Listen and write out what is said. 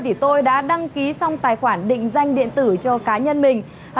thì tôi đã đăng ký xong tài khoản định danh điện tử cho cá nhân mình